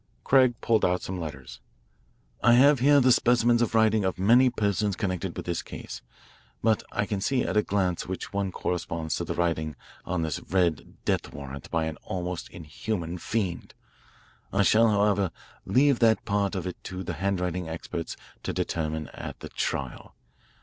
Craig pulled out some letters. "I have here specimens of writing of many persons connected with this case, but I can see at a glance which one corresponds to the writing on this red death warrant by an almost inhuman fiend. I shall, however, leave that part of it to the handwriting experts to determine at the trial.